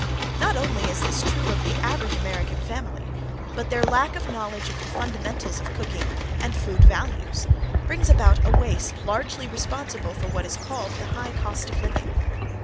Not only is this true of the average American family, but their lack of knowledge of the fundamentals of cooking and food values brings about a waste largely responsible for what is called the "high cost of living."